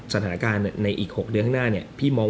สถานการณ์ในอีก๖เดือนข้างหน้าพี่มอง